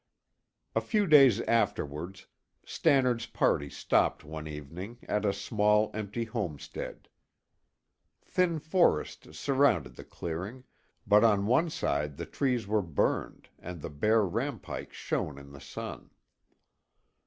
A few days afterwards, Stannard's party stopped one evening at a small, empty homestead. Thin forest surrounded the clearing, but on one side the trees were burned and the bare rampikes shone in the sun.